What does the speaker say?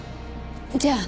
じゃあ。